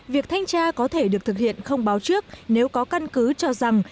việc thanh tra có thể được thực hiện không báo trước nếu có căn cứ cho rằng